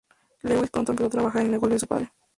Lewis pronto empezó a trabajar en el negocio de su padre.